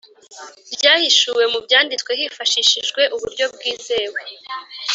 ryahishuwe mu byandistwe hifashishijwe uburyo bwizewe